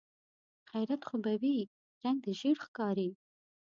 خيرت خو به وي؟ رنګ دې ژېړ ښکاري.